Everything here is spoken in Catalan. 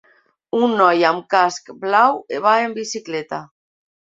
un noi amb casc blau va en bicicleta